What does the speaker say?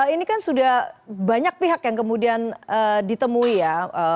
ini kan sudah banyak pihak yang kemudian ditemui ya